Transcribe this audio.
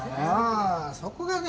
そこがね